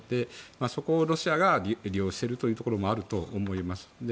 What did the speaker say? そこをロシアが利用しているところもあると思います。